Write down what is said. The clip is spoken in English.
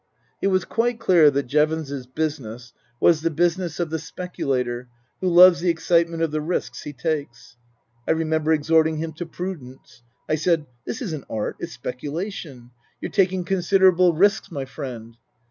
It was quite clear that Jevons's business was the business of the speculator who loves the excitement of the risks he takes. I remember exhorting him to prudence. I said :" This isn't art, it's speculation. You're taking considerable risks, my friend."